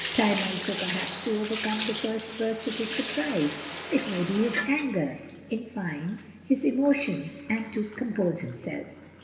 Time also perhaps to overcome the first burst of his surprise, it may be his anger — in fine, his emotions, and to compose himself.